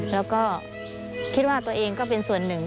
แล้วก็คิดว่าตัวเองก็เป็นส่วนหนึ่ง